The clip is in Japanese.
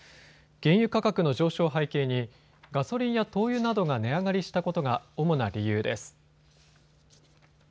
原油価格の上昇を背景にガソリンや灯油などが値上がりしたことが主な理由です。